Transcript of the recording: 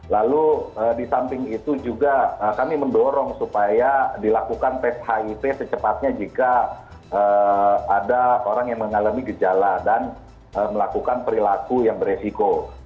lalu di samping itu juga kami mendorong supaya dilakukan tes hiv secepatnya jika ada orang yang mengalami gejala dan melakukan perilaku yang beresiko